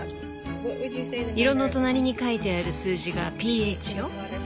色の隣に書いてある数字がｐＨよ。